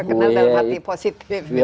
kenal dalam hati positif